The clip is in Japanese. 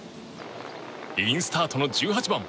インスタートの１８番。